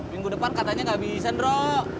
minggu depan katanya gak bisa dro